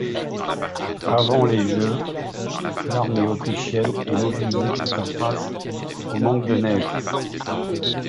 Avant les Jeux, l'armée autrichienne est mobilisée pour faire face au manque de neige.